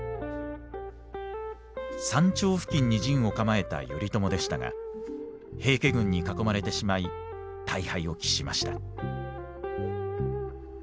山頂付近に陣を構えた頼朝でしたが平家軍に囲まれてしまい大敗を喫しました。